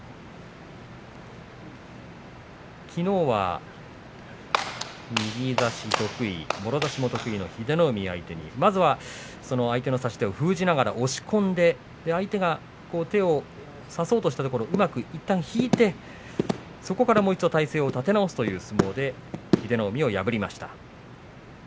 きのうは右差し得意もろ差し得意の英乃海を相手にまずは相手の差し手を封じながら押し込んで、相手が手を差そうとしたところうまくいったん引いてそこからもう一度体勢を立て直すという相撲で英乃海を破りました。